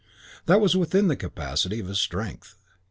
That was within the capacity of his strength.